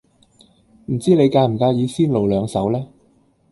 唔知你介唔介意先露兩手呢？